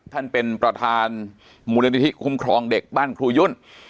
ท่านประธานเป็นประธานมูลนิธิคุ้มครองเด็กบ้านครูยุ่น